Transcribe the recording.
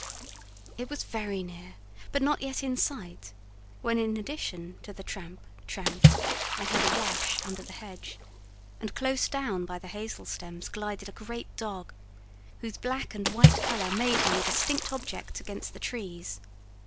It was very near, but not yet in sight; when, in addition to the tramp, tramp, I heard a rush under the hedge, and close down by the hazel stems glided a great dog, whose black and white colour made him a distinct object against the trees.